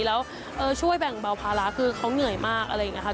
แล้วช่วยแบ่งเบาภาระคือเขาเหนื่อยมากอะไรอย่างนี้ค่ะ